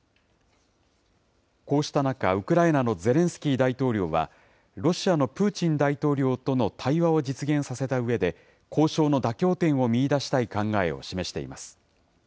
こうした中、ウクライナのゼレンスキー大統領は、ロシアのプーチン大統領との対話を実現させたうえで、交渉の妥協点を見いだしたい考えを示しています。